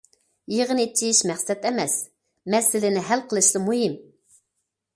يىغىن ئېچىش مەقسەت ئەمەس، مەسىلىنى ھەل قىلىشلا مۇھىم.